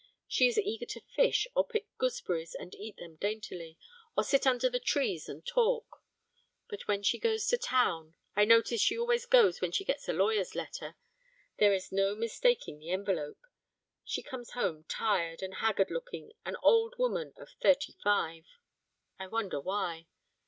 She is eager to fish, or pick gooseberries and eat them daintily, or sit under the trees and talk. But when she goes to town I notice she always goes when she gets a lawyer's letter, there is no mistaking the envelope she comes home tired and haggard looking, an old woman of thirty five. I wonder why.